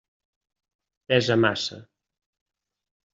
Pesa massa.